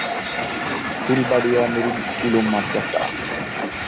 Phulbaria Nurul Ulum Madrasa.